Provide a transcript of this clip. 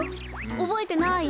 おぼえてない？